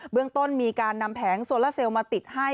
เรื่องต้นมีการนำแผงโซลาเซลมาติดให้